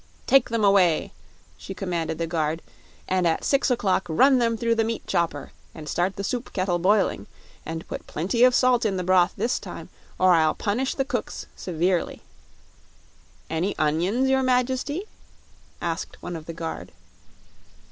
"Take them away," she commanded the guard, "and at six o'clock run them through the meat chopper and start the soup kettle boiling. And put plenty of salt in the broth this time, or I'll punish the cooks severely." "Any onions, your Majesty?" asked one of the guard.